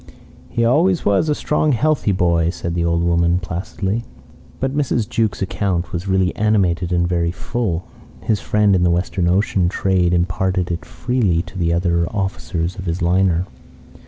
"He always was a strong healthy boy," said the old woman, placidly. But Mr. Jukes' account was really animated and very full. His friend in the Western Ocean trade imparted it freely to the other officers of his liner.